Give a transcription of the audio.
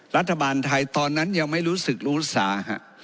รัฐบาลไทยตอนนั้นยังไม่รู้สึกรู้สาฮะ